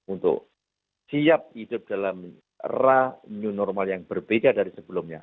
untuk siap hidup dalam era new normal yang berbeda dari sebelumnya